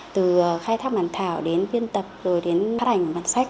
từ khai thác bản thảo đến biên tập rồi đến phát ảnh bản sách